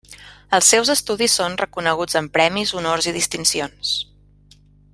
Els seus estudis són reconeguts amb premis, honors i distincions.